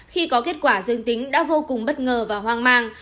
khi có kết quả dương tính đã vô cùng bất ngờ và hoang mang